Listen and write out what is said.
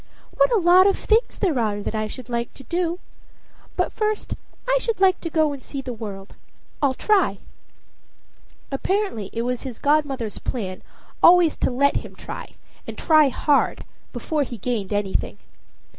What a lot of things there are that I should like to do! But first I should like to go and see the world. I'll try." Apparently it was his godmother's plan always to let him try, and try hard, before he gained anything.